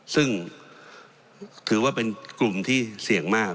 ซึ่งถือว่าเป็นกลุ่มที่เสี่ยงมาก